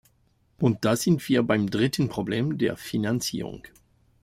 Und da sind wir beim dritten Problem, der Finanzierung.